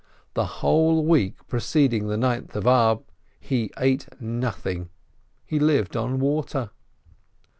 The whole week preceding the Ninth of Ab he ate nothing, he lived on water.